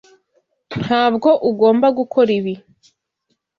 Ntabwo ugomba gukora ibi.